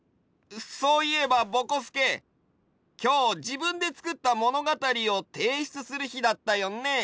そういえばぼこすけきょうじぶんでつくったものがたりをていしゅつするひだったよね。